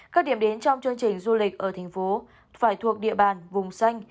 các điểm đến trong chương trình du lịch ở thành phố phải thuộc địa bàn vùng xanh